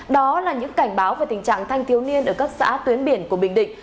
đó là những cảnh báo về tình trạng thanh thiếu niên ở các xã tuyến biển của bình định